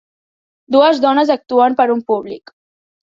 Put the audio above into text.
Dues dones actuen per a un públic.